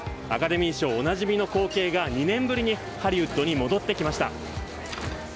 アカデミー賞おなじみの光景が２年ぶりにハリウッドに戻ってきました。